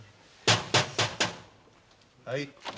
はい。